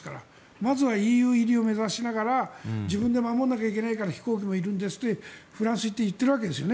まずはＥＵ入りを目指しながら自分で守らなきゃいけないから飛行機もいるんですってフランスに行って言っているわけですよね。